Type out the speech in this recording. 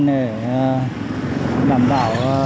để đảm bảo